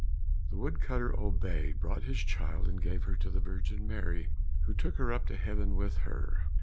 The wood cutter obeyed, brought his child, and gave her to the Virgin Mary, who took her up to heaven with her.